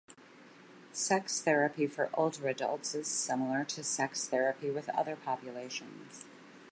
Sex therapy for older adults is similar to sex therapy with other populations.